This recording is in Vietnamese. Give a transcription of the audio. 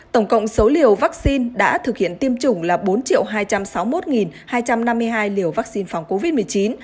tổng cộng số liều vaccine đã thực hiện tiêm chủng là bốn hai trăm sáu mươi một hai trăm năm mươi hai liều vaccine phòng covid một mươi chín